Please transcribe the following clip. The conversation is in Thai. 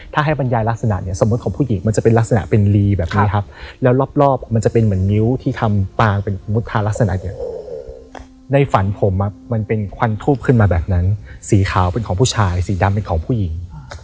ถ้าให้บรรยายลักษณะเนี่ยสมมุติของผู้หญิงมันจะเป็นลักษณะเป็นลีแบบนี้ครับแล้วรอบมันจะเป็นเหมือนนิ้วที่ทำปางเป็นมุทาลักษณะเนี่ยในฝันผมมันเป็นควันทูบขึ้นมาแบบนั้นสีขาวเป็นของผู้ชายสีดำเป็นของผู้หญิง